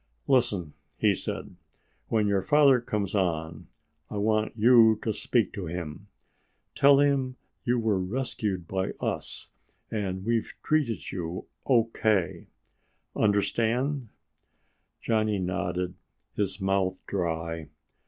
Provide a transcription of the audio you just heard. "Listen," he said, "when your father comes on, I want you to speak to him. Tell him you were rescued by us and we've treated you O.K. Understand?" Johnny nodded, his mouth dry.